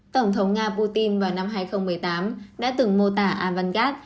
tổng thống nga putin vào năm hai nghìn một mươi tám đã từng mô tả avangard